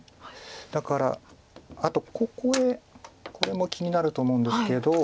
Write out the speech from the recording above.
だからあとここへこれも気になると思うんですけど。